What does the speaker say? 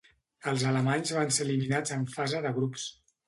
Els alemanys van ser eliminats en fase de grups.